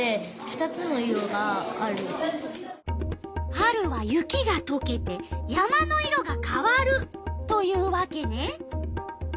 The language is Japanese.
春は雪がとけて山の色が変わるというわけね。